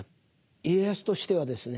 家康としてはですね